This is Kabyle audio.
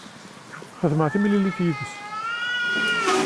Xedmeɣ timlilit yid-s.